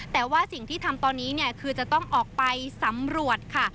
แต่ว่าสิ่งที่ทำตอนนี้เนี่ยคือจะต้องออกไปสำรวจค่ะ